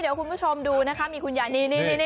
เดี๋ยวคุณผู้ชมดูนะคะมีคุณยานีนี่